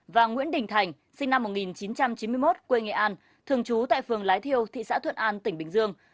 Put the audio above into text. và nguyễn đình thành sinh năm một nghìn chín trăm chín mươi một quê nghệ an thường trú tại phường lái thiêu thị xã thuận an tỉnh bình dương